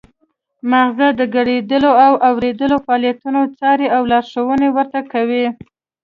مغزه د ګړیدلو او اوریدلو فعالیتونه څاري او لارښوونه ورته کوي